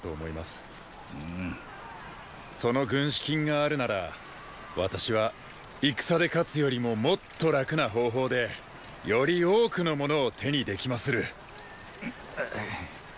その軍資金があるなら私は戦で勝つよりももっと楽な方法でより多くのものを手にできまする。っ。